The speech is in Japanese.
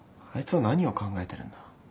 あいつは何を考えてるんだ。